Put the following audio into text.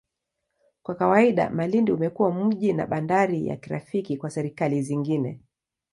Kwa kawaida, Malindi umekuwa mji na bandari ya kirafiki kwa serikali zingine.